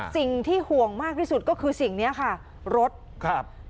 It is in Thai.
สิ่งที่ห่วงมากที่สุดก็คือสิ่งเนี้ยค่ะรถครับ